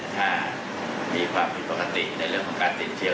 ถ้ามีความผิดปกติในเรื่องของการติดเชื้อ